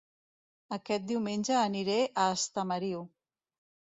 Aquest diumenge aniré a Estamariu